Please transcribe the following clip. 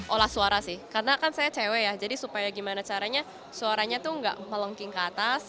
olah suara sih karena kan saya cewek ya jadi supaya gimana caranya suaranya tuh gak melengking ke atas